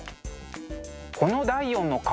この第４の顔